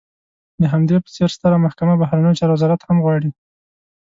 د همدې په څېر ستره محکمه، بهرنیو چارو وزارت هم غواړي.